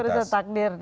ini urusan takdir nih